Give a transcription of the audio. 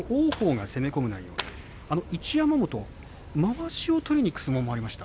一山本はまわしを取りにいく相撲もありました。